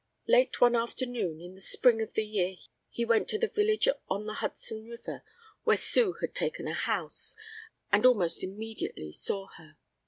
Late one afternoon in the spring of the year he went to the village on the Hudson River where Sue had taken a house, and almost immediately saw her.